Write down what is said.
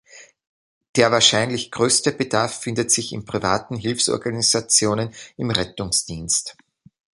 Der wahrscheinlich größte Bedarf findet sich in privaten Hilfsorganisationen im Rettungsdienst.